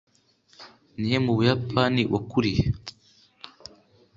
ni he mu buyapani wakuriye